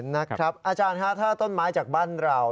นะครับอาจารย์ค่ะถ้าต้นไม้จากบ้านเรา